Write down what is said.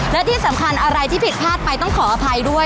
และที่สำคัญอะไรที่ผิดพลาดไปต้องขออภัยด้วย